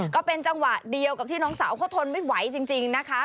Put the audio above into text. ก็เป็นจังหวะเดียวกับที่น้องสาวเขาทนไม่ไหวจริงนะคะ